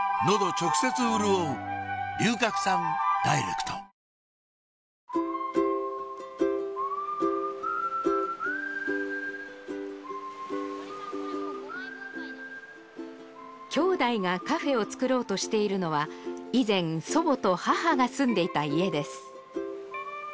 クリニカアドバンテージ姉弟がカフェを作ろうとしているのは以前祖母と母が住んでいた家です